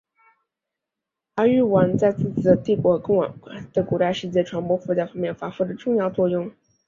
阿育王在自己的帝国和更广泛的古代世界传播佛教方面发挥了重要作用。